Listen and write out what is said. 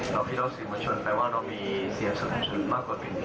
เราพิจักษ์สิ่งประชุมแปลว่าเรามีเสียงสำหรับผู้ชมมากกว่าเป็น